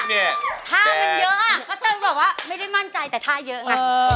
ถ้ามันเยอะอ่ะก็ต้องบอกว่าไม่ได้มั่นใจแต่ท่าเยอะไง